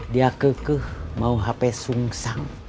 dia kekeh mau hp sungsang